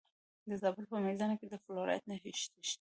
د زابل په میزانه کې د فلورایټ نښې شته.